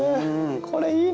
これいいね！